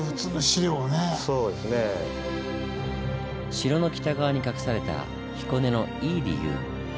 城の北側に隠された彦根のイイ理由。